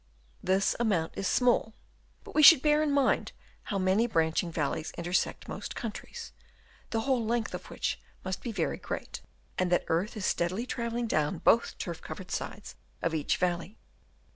This amount is small ; but we should bear in mind how many branching valleys inter sect most countries, the whole length of which must be very great ; and that earth is steadily travelling down both turf covered sides of each valley.